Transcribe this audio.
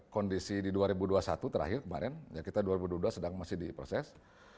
kondisi di dua ribu dua puluh satu terakhir kemarin ya kita dua ribu dua puluh dua sedang masih di proses